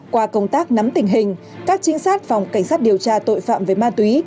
qua công tác nắm tình hình các trinh sát phòng cảnh sát điều tra tội phạm về ma túy